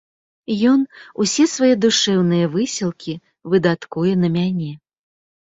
Ён усе свае душэўныя высілкі выдаткуе на мяне.